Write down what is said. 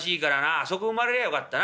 あそこ生まれりゃよかったな。